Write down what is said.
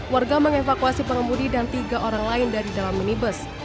warga mengevakuasi pengemudi dan tiga orang lain dari dalam minibus